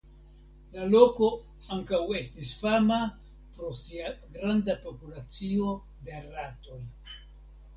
La loko ankaŭ estis fama pro sia granda populacio de ratoj.